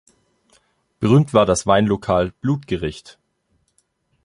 Berühmt war das Weinlokal "Blutgericht".